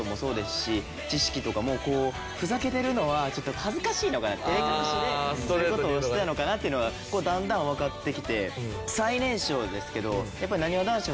ふざけてるのはちょっと恥ずかしいのかな照れ隠しでそういう事をしてたのかなっていうのがだんだんわかってきて。